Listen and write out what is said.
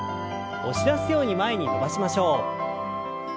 押し出すように前に伸ばしましょう。